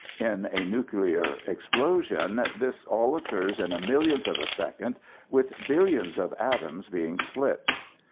In a nuclear explosion this all occurs in a millionth of a second with billions of atoms being split.